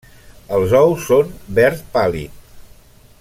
Els ous són verd pàl·lid.